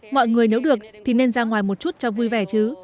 mọi người nếu được thì nên ra ngoài một chút cho vui vẻ chứ